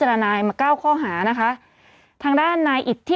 ผู้ต้องหาที่ขับขี่รถจากอายานยนต์บิ๊กไบท์